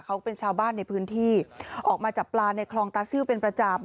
เขาเป็นชาวบ้านในพื้นที่ออกมาจับปลาในคลองตาซิลเป็นประจำ